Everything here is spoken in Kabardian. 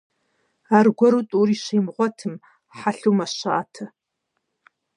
Аргуэру тӏури щимыгъуэтым, хьэлъэу мэщатэ.